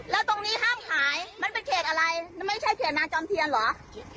แล้วตรงนี้ห้ามขายมันเป็นเขตอะไรไม่ใช่เขตนาจอมเทียนเหรอ